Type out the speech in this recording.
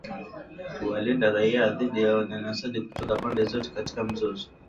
kuwalinda raia dhidi ya unyanyasaji kutoka pande zote katika mzozo.